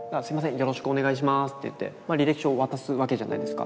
よろしくお願いします」って言って履歴書を渡すわけじゃないですか。